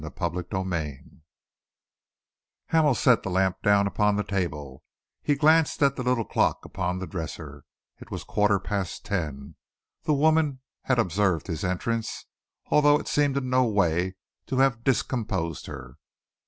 CHAPTER XXXI Hamel set down the lamp upon the table. He glanced at the little clock upon the dresser; it was a quarter past ten. The woman had observed his entrance, although it seemed in no way to have discomposed her.